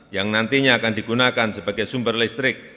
yang nantinya akan digunakan sebagai sumber listrik